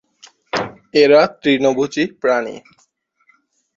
এরা তৃণভোজী প্রাণী।